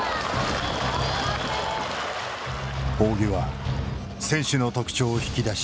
仰木は選手の特徴を引き出し